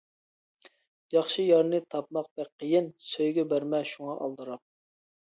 ياخشى يارنى تاپماق بەك قىيىن، سۆيگۈ بەرمە شۇڭا ئالدىراپ.